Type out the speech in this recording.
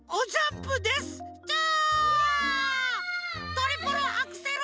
トリプルアクセル！